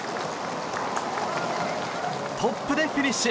トップでフィニッシュ！